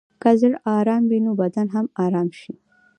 که زړه ارام وي، نو بدن به هم ارام شي.